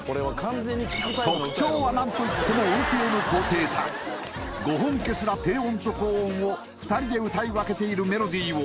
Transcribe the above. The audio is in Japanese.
特徴は何といっても音程の高低差ご本家すら低音と高音を２人で歌い分けているメロディーを